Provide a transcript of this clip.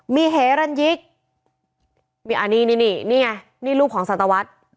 มีเฮรันยิกมีอันนี้นี่ไงนี่รูปของสัตวัสดิ์